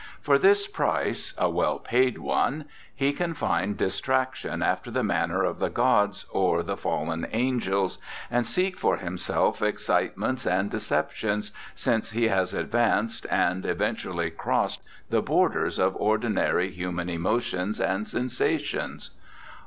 For this price a well paid one he can find distraction after the manner of the gods or the fallen angels, and seek for himself excitements and deceptions, since he has advanced, and eventually crossed the borders of ordinary human emotions and sensations.